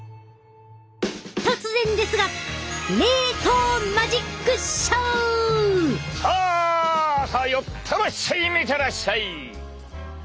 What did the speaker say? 突然ですがさぁさぁ寄ってらっしゃい見てらっしゃい！